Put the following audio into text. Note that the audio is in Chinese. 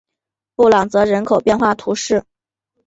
布朗泽人口变化图示